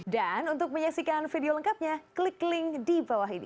dan untuk menyaksikan video lengkapnya klik link di bawah ini